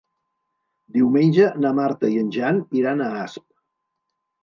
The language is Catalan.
Diumenge na Marta i en Jan iran a Asp.